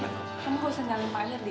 kamu kok bisa gak lupa ya rd